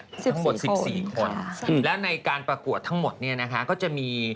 ทั้งหมดสิบสี่คนแล้วในการประกวดทั้งหมดเนี่ยนะคะก็จะมี